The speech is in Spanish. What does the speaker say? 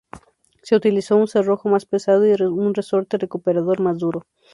Se utilizó un cerrojo más pesado y un resorte recuperador más duro.